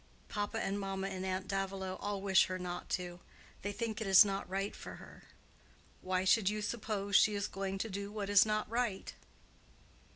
"Papa and mamma and aunt Davilow all wish her not to. They think it is not right for her." "Why should you suppose she is going to do what is not right?"